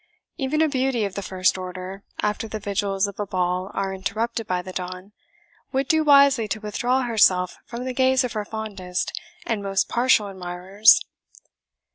Even a beauty of the first order, after the vigils of a ball are interrupted by the dawn, would do wisely to withdraw herself from the gaze of her fondest and most partial admirers.